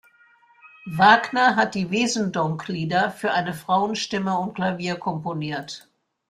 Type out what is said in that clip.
Wagner hat die Wesendonck-Lieder für eine Frauenstimme und Klavier komponiert.